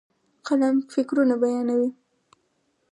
قلم فکرونه بیانوي.